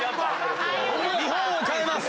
日本を変えます！